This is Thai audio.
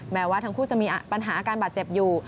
แม้ว่าทั้งคู่จะมีปัญหาอาการบาดเจ็บอยู่